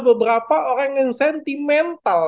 beberapa orang yang sentimental